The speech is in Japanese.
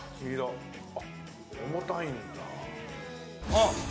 あっ！